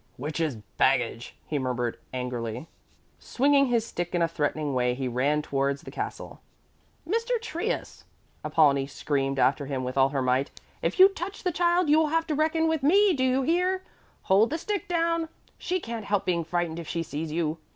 "Witch's baggage!" he murmured angrily. Swinging his stick in a threatening way, he ran towards the castle. "Mr. Trius," Apollonie screamed after him with all her might, "if you touch the child you will have to reckon with me, do you hear? Hold the stick down. She can't help being frightened if she sees you."